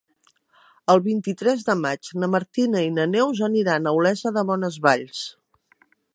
El vint-i-tres de maig na Martina i na Neus aniran a Olesa de Bonesvalls.